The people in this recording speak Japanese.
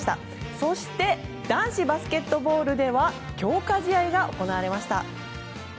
そして男子バスケットボールでは強化試合が行われました。